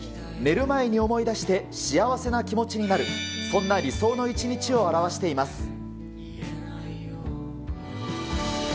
寝る前に思い出して幸せな気持ちになる、そんな理想の一日を表しています。